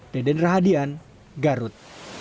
deden rahadian garut